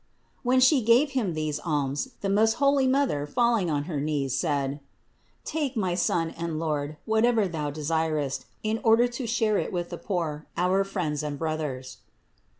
When She gave Him these alms the most holy Mother falling on her knees, said: "Take, my Son and Lord, whatever Thou desirest, in order to share it with the poor, our friends and brothers."